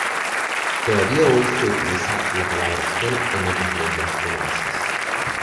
Todavía hoy se utiliza la palabra sol en otras lenguas romances.